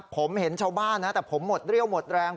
ผมเห็นชาวบ้านนะแต่ผมหมดเรี่ยวหมดแรง